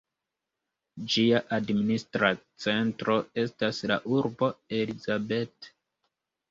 Ĝia administra centro estas la urbo Elizabeth.